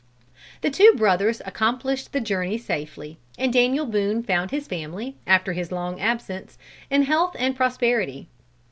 The two brothers accomplished the journey safely, and Daniel Boone found his family, after his long absence, in health and prosperity.